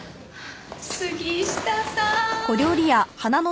杉下さん！